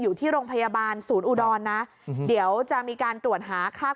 อยู่ที่โรงพยาบาลศูนย์อุดรนะเดี๋ยวจะมีการตรวจหาค่า